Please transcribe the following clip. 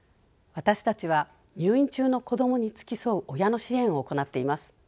私たちは入院中の子どもに付き添う親の支援を行っています。